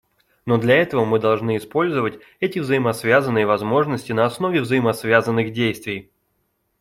Но для этого мы должны использовать эти взаимосвязанные возможности на основе взаимосвязанных действий.